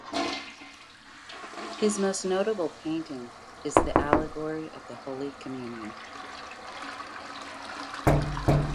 His most notable painting is The Allegory of the Holy Communion.